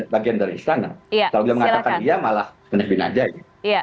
kalau dia mengatakan iya malah penerbina aja